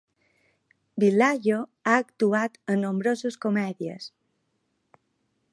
Villaggio ha actuat en nombroses comèdies.